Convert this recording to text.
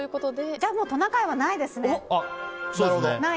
じゃあ、もうトナカイはないですね。